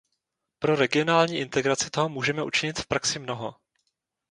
Pro regionální integraci toho můžeme učinit v praxi mnoho.